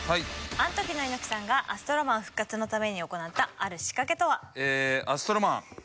アントキの猪木さんがアストロマン復活のために行ったある仕掛けとは？ええーアストロマン